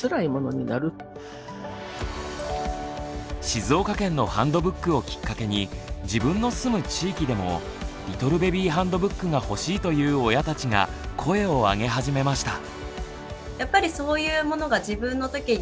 静岡県のハンドブックをきっかけに自分の住む地域でもリトルベビーハンドブックが欲しいという親たちが声をあげ始めました。